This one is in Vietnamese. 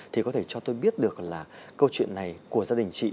thì có thể cho tôi biết được là câu chuyện này của gia đình chị